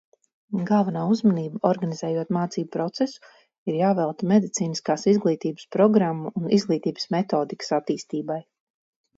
Galvenā uzmanība, organizējot mācību procesu, ir jāvelta medicīniskās izglītības programmu un izglītības metodikas attīstībai.